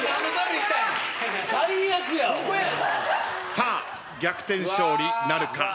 さあ逆転勝利なるか？